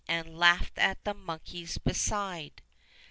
And laughed at the monkeys, beside.